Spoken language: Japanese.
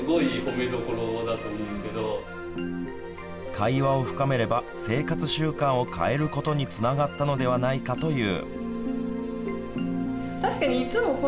会話を深めれば生活習慣を変えることにつながったのではないかという。